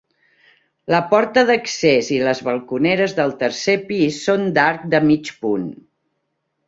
La porta d'accés i les balconeres del tercer pis són d'arc de mig punt.